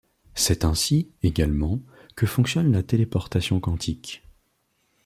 C'est ainsi, également, que fonctionne la téléportation quantique.